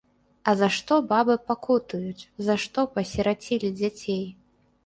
А за што бабы пакутуюць, за што пасірацілі дзяцей!